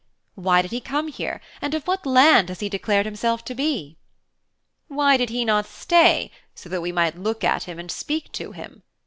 Why did he come here, and of what land has he declared himself to be?' 'Why did he not stay so that we might look at him and speak to him?'